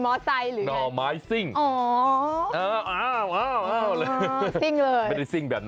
หน่อไม้บึ้น